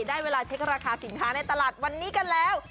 ได้เวลาเช็คราคาสินค้าในตลาดวันนี้กันแล้ว